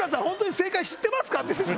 「正解知ってますか？」。